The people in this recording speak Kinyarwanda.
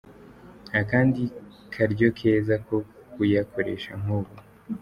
Nta kandi karyo keza ko kuyakoresha nk'ubu.